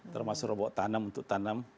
termasuk robot tanam untuk tanam